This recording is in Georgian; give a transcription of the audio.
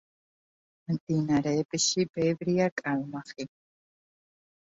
მდინარეებში ბევრია კალმახი.